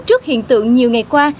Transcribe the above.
trước hiện tượng nhiều ngày qua